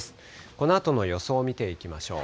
このあとの予想を見ていきましょう。